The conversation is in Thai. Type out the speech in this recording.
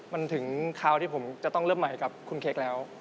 มันถึงคราวที่ผมจะต้องเริ่มใหม่กับคุณเค้กแล้ว